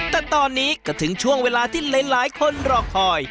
แต่ตอนนี้ก็ถึงช่วงเวลาที่หลายคนรอคอย